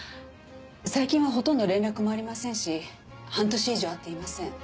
最近はほとんど連絡もありませんし半年以上会っていません。